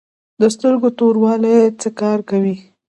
د سترګو تور دیوال څه کار کوي؟